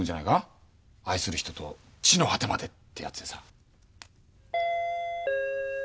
愛する人と地の果てまでってやつでさ。